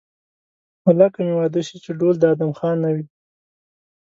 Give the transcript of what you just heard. والله که مې واده شي چې ډول د ادم خان نه وي.